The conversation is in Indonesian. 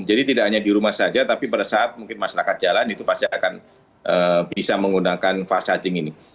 jadi tidak hanya di rumah saja tapi pada saat mungkin masyarakat jalan itu pasti akan bisa menggunakan fast charging ini